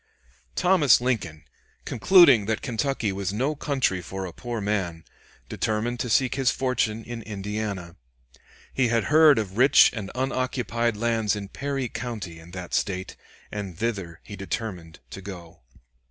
Thomas Lincoln, concluding that Kentucky was no country for a poor man, determined to seek his fortune in Indiana. He had heard of rich and unoccupied lands in Perry County in that State, and thither he determined to go.